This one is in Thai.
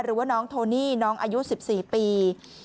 หรือว่าน้องโทนี่น้องอายุ๑๔ปี